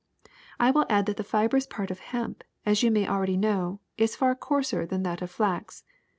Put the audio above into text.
^^I Avill add that the fibrous part of hemp, as you may know already, is far coarser than that of flax.